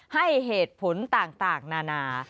ให้เหตุผลต่างนานา